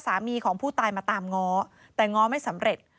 สามีของผู้ตายมาตามง้อแต่ง้อไม่สำเร็จ